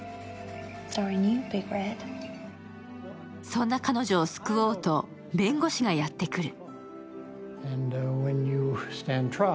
そんな彼女を救おうと弁護士がやってくる。